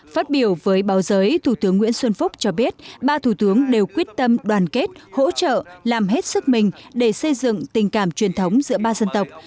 phát biểu với báo giới thủ tướng nguyễn xuân phúc cho biết ba thủ tướng đều quyết tâm đoàn kết hỗ trợ làm hết sức mình để xây dựng tình cảm truyền thống giữa ba dân tộc